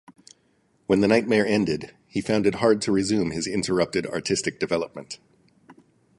When the nightmare ended he found it hard to resume his interrupted artistic development.